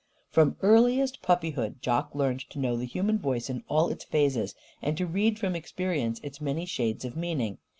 From earliest puppyhood Jock learned to know the human voice in all its phases, and to read from experience its many shades of meaning.